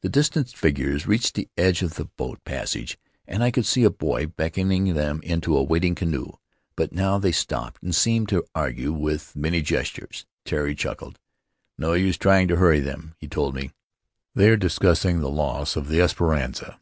The distant figures reached the edge of the boat passage and I could see a boy beckoning them into a waiting canoe, but now they stopped and seemed to argue, with many gestures. Tari chuckled. "No use trying to hurry them," he told me; "they are discussing the loss of the Esperanza.